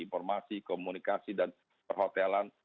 informasi komunikasi dan perhotelan